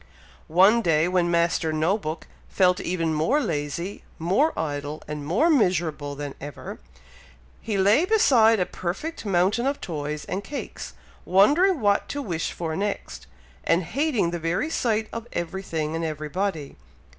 One day, when Master No book felt even more lazy, more idle, and more miserable than ever, he lay beside a perfect mountain of toys and cakes, wondering what to wish for next, and hating the very sight of everything and everybody.